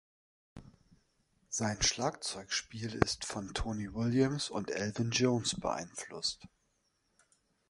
Sein Schlagzeugspiel ist von Tony Williams und Elvin Jones beeinflusst.